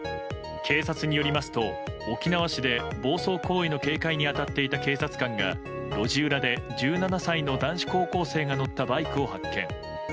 警察によりますと沖縄市で暴走行為の警戒に当たっていた警察官が路地裏で１７歳の男子高校生が乗ったバイクを発見。